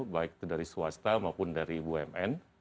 baik itu dari swasta maupun dari bumn